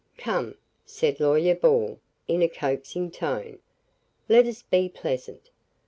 "Come," said Lawyer Ball, in a coaxing tone, "let us be pleasant.